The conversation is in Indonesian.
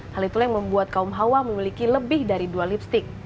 hal itulah yang membuat kaum hawa memiliki lebih dari dua lipstick